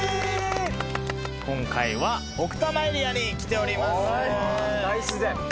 今回は奥多摩エリアに来ております。